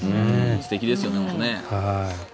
素敵ですよね、本当。